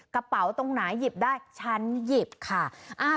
กระเป๋าตรงไหนหยิบได้ฉันหยิบค่ะ